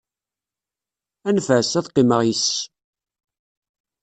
Anef-as, ad qqimeɣ yis-s.